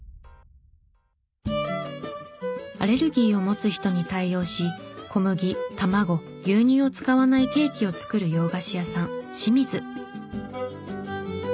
アレルギーを持つ人に対応し小麦卵牛乳を使わないケーキを作る洋菓子屋さん